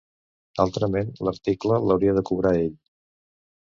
Altrament l'article l'hauria de cobrar ell.